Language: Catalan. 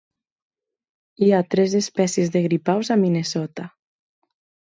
Hi ha tres espècies de gripaus a Minnesota.